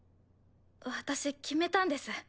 私決めたんです。